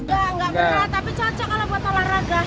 enggak enggak berat tapi cocok kalau buat olahraga